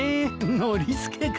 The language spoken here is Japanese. ノリスケ君。